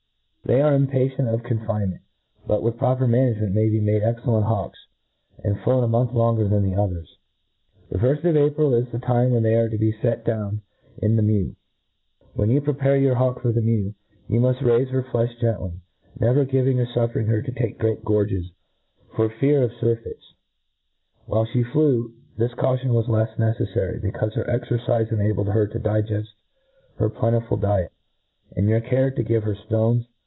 They are impatient of confine ment; but with proper management may be made excellent hawks, and flown a month long ' cr than the others. The firll of April is the* time when they arc to be fet down in the mew*. When you prepare your hawk for Ae mew^ you muft raifc her flefh gently, never giving or fuflTcring her * to take great gorges, for fear of furfeits. While fhe flew, this caution was Icfs neceflary, becaufe her cxercife enabled her to digeffi her plentiful diet, and your care to give her ftones